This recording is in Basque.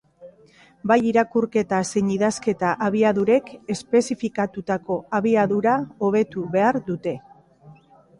Bai irakurketa zein idazketa abiadurek espezifikatutako abiadura hobetu behar dute.